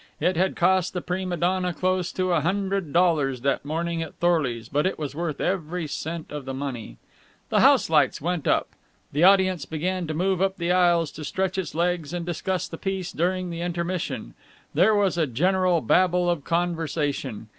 It had cost the prima donna close on a hundred dollars that morning at Thorley's, but it was worth every cent of the money. The house lights went up. The audience began to move up the aisles to stretch its legs and discuss the piece during the intermission. There was a general babble of conversation.